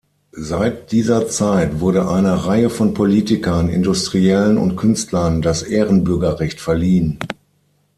Seit dieser Zeit wurde einer Reihe von Politikern, Industriellen und Künstlern das Ehrenbürgerrecht verliehen.